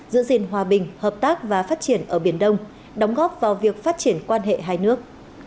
giữ gìn hòa bình hợp tác và phát triển ở biển đông đóng góp vào việc phát triển quan hệ hai nước